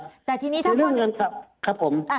เรื่องนั้นครับครับผม